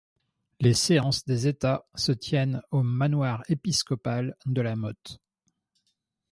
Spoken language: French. Les séances des États se tiennent au manoir épiscopal de la Motte.